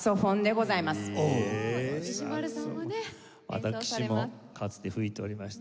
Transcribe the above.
私もかつて吹いておりました。